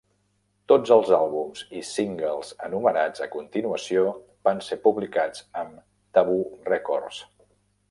Tots els àlbums i singles enumerats a continuació van ser publicats amb Tabu Records.